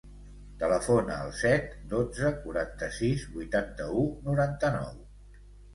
Telefona al set, dotze, quaranta-sis, vuitanta-u, noranta-nou.